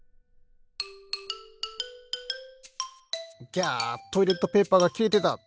ギャトイレットペーパーがきれてた！